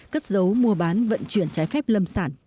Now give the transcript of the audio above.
cất dấu mua bán vận chuyển trái phép lâm sản